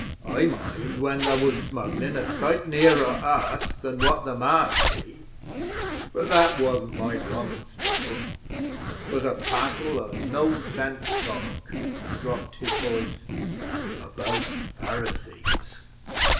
'I mind when there was smugglin' a sight nearer us than what the Marsh be. But that wasn't my woman's trouble. 'Twas a passel o' no sense talk' he dropped his voice 'about Pharisees.'